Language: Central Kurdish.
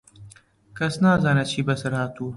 کەس نازانێت چی بەسەر هاتووە.